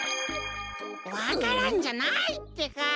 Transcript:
わか蘭じゃないってか。